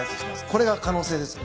これが可能性ですね？